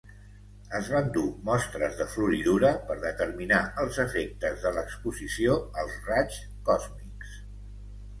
Es van dur mostres de floridura per determinar els efectes de l'exposició als raigs còsmics.